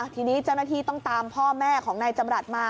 ทีนี้เจ้าหน้าที่ต้องตามพ่อแม่ของนายจำรัฐมา